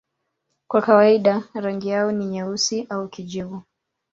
Kwa kawaida rangi yao ni nyeusi au kijivu.